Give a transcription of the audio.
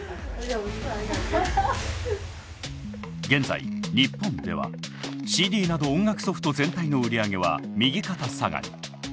現在日本ではＣＤなど音楽ソフト全体の売り上げは右肩下がり。